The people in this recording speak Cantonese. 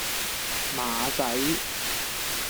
馬仔